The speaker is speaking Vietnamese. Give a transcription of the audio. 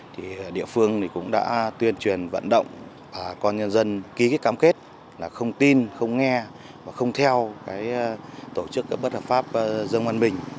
thì địa phương thì cũng đã tuyên truyền vận động con nhân dân ký cái cam kết là không tin không nghe và không theo cái tổ chức bất hợp pháp dương văn bình